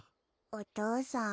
お父さん？